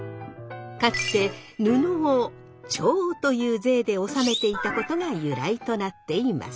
かつて布を調という税で納めていたことが由来となっています。